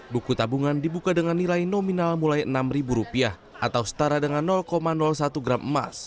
buku tabungan dibuka dengan nilai nominal mulai rp enam atau setara dengan satu gram emas